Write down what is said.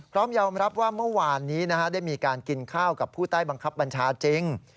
พร้อมยอมรับว่าเมื่อวานนี้ได้มีการกินข้าวกับผู้ใต้บังคับบัญชาจริง